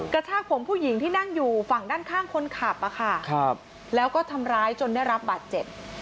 กระชากผมผู้หญิงที่นั่งอยู่ฝั่งด้านข้างคนขับแล้วก็ทำร้ายจนได้รับบาดเจ็บ